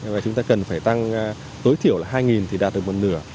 và chúng ta cần phải tăng tối thiểu là hai thì đạt được một nửa